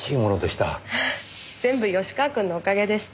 全部芳川くんのおかげです。